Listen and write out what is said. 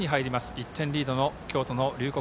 １点リードの京都の龍谷